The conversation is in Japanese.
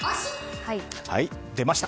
出ました！